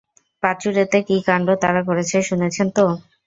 পাঁচুড়েতে কী কাণ্ড তারা করেছে শুনেছেন তো?